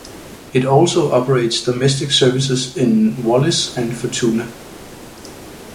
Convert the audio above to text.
It also operates domestic services in Wallis and Futuna.